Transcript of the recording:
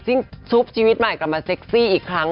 ซึ่งซุปชีวิตใหม่กลับมาเซ็กซี่อีกครั้ง